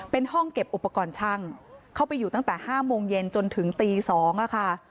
เป็นห้องเก็บอุปกรณ์ช่างเข้าไปอยู่ตั้งแต่๕โมงเย็นจนถึงตี๒ค่ะ